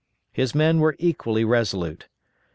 His men were equally resolute.